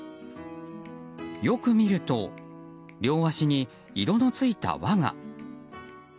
よく見ると両脚に色の付いた輪が。